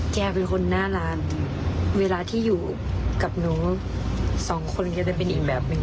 แกเป็นคนหน้าร้านเวลาที่อยู่กับหนูสองคนก็จะได้เป็นอีกแบบหนึ่ง